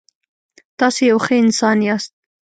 تاسو یو ښه انسان یاست.